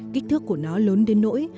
kích thước của nó lớn đến nỗi